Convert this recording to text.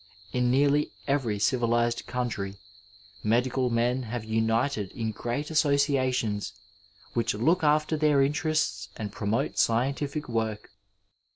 In nearly every civilized country medical men have united in great associations which look after their interests and promote scientific work.